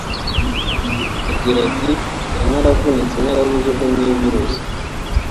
Agira ati “Nari naravunitse narabuze uko nivuza